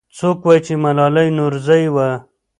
څوک وایي چې ملالۍ نورزۍ وه؟